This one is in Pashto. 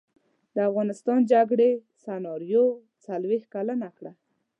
د افغانستان جګړې سناریو څلویښت کلنه کړه.